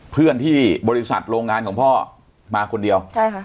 เพื่อนที่บริษัทโรงงานของพ่อมาคนเดียวใช่ค่ะ